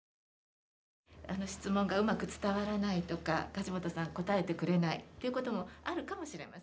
あの質問がうまく伝わらないとか梶本さん答えてくれないということもあるかもしれません。